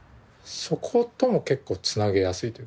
そことも結構つなげやすいというか。